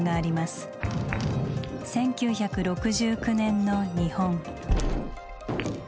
１９６９年の日本。